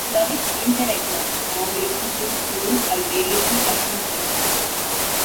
During interregna, Norway has been ruled by variously titled regents.